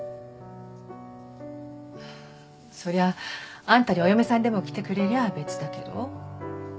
そりゃあんたにお嫁さんでも来てくれりゃ別だけど。